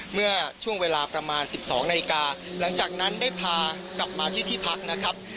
เมื่อช่วงเวลาประมาณ๑๒นาฬิกาหลังจากนั้นได้พากลับมาที่ที่พักนะครับ